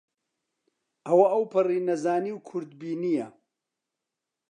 ئەوە ئەوپەڕی نەزانی و کورتبینییە